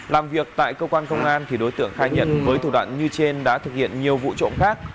làm việc tại cơ quan công an thì đối tượng khai nhận với thủ đoạn như trên đã thực hiện nhiều vụ trộm khác